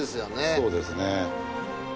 そうですね。